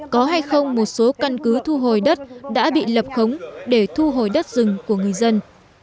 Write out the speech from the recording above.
có hay không một số căn cứ thu hồi đất đã bị lập khống để thu hồi đất rừng của người dân